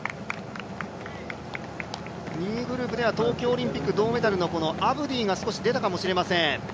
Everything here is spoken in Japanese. ２位グループでは東京オリンピック銅メダルのアブディが少し出たかもしれません。